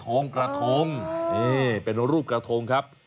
เป็นกระทงเป็นรูปกระทงครับ